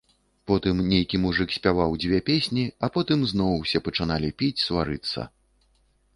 Потым нейкі мужык спяваў дзве песні, а потым зноў усе пачыналі піць, сварыцца.